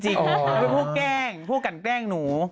มันเป็นพวกแกล้งพวกกันแกล้งหนู